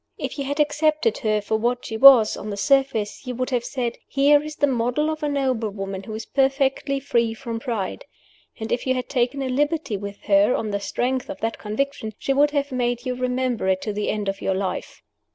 If you had accepted her for what she was, on the surface, you would have said, Here is the model of a noble woman who is perfectly free from pride. And if you had taken a liberty with her, on the strength of that conviction, she would have made you remember it to the end of your life.